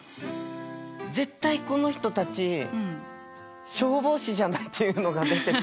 絶対この人たち消防士じゃないっていうのが出てて。